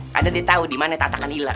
karena dia tau dimana tatakan ngiler